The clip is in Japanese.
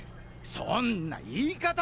そんな言い方！